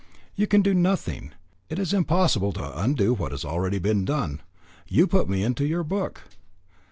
"You can do nothing. It is impossible to undo what has already been done. You put me into your book."